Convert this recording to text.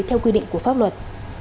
theo quy định của pháp luật